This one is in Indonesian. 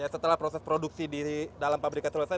setelah proses produksi di dalam pabrikan selesai